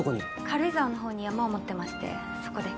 軽井沢の方に山を持ってましてそこで。